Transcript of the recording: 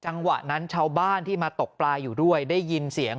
จังหวะนั้นชาวบ้านที่มาตกปลาอยู่ด้วยได้ยินเสียง